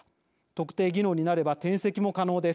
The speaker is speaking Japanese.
特定技能になれば転籍も可能です。